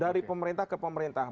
dari pemerintah ke pemerintah